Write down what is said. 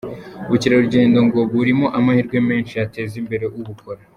Ubukerarugendo ngo burimo amahirwe menshi yateza imbere ubukora.